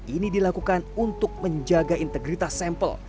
ini dilakukan untuk menjaga integritas sampel